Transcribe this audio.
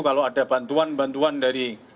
kalau ada bantuan bantuan dari